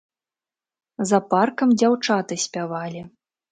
За паркам дзяўчаты спявалі.